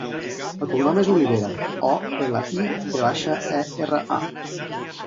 El cognom és Olivera: o, ela, i, ve baixa, e, erra, a.